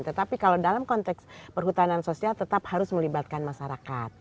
tetapi kalau dalam konteks perhutanan sosial tetap harus melibatkan masyarakat